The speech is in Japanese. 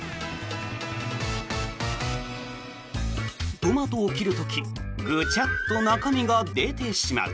トマトを切る時グチャッと中身が出てしまう。